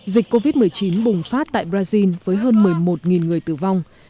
dịch covid một mươi chín bùng phát tại brazil với hơn một mươi một người tử vong